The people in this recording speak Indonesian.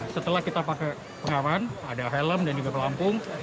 setelah kita pakai pengawan ada helm dan juga pelampung